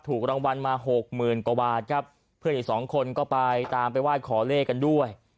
ถูกรางวัลมาหกหมื่นกว่าบาทครับเพื่อนอีกสองคนก็ไปตามไปไหว้ขอเลขกันด้วย